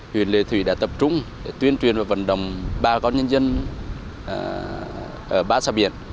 huyện lệ thủy đã tập trung tuyên truyền và vận động ba con nhân dân ở bãi sà biển